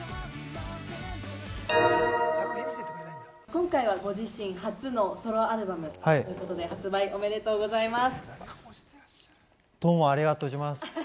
今回はご自身初のソロアルバムということで、発売、おめでとうございます。